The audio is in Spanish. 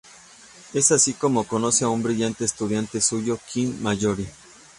Es así como conoce a un brillante estudiante suyo, Quinn Mallory.